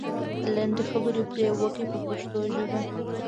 لنډې خبرې پرې وکړئ په پښتو ژبه.